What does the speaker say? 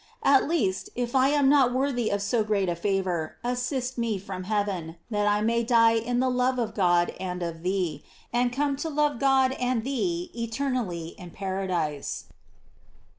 At least, if I am not worthy of so great a favor, assist me from heaven, that I may die in the love of God and of thee, and come to love God and thee eternally in paradise.